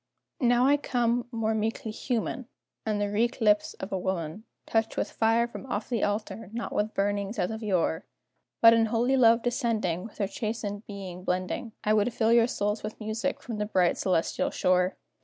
Now I come more meekly human, And the wreak lips of a woman Touch with fire from off the altar, not with burnings as of yore; But in holy love descending, With her chastened being blending, I would fill your souls with music from the bright celestial shore.